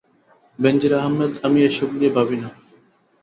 বেনজীর আহমেদ আমি এসব নিয়ে ভাবি না।